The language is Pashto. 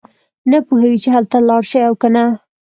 نه پوهېږي چې هلته لاړ شي او کنه.